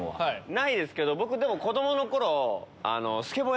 ないですけど子供の頃。